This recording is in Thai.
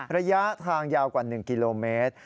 ระยะทางยาวกว่า๑กิโลเมตร